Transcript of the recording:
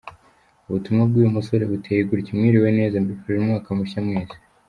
Ubutumwa bw'uyu musore buteye gutya:"Mwiriwe neza mbifurije umwaka mushya mwese.